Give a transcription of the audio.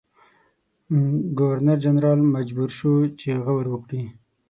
ګورنرجنرال مجبور شو چې غور وکړي.